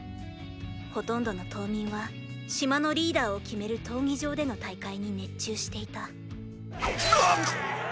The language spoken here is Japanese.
ほとんどの島民は島のリーダーを決める闘技場での大会に熱中していたうわっ！